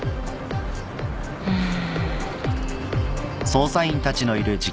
うん。